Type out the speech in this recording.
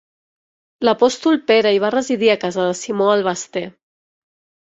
L'Apòstol Pere hi va residir a casa de Simó el Baster.